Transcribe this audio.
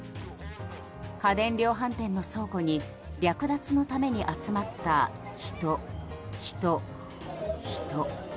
家電量販店の倉庫に略奪のために集まった人、人、人。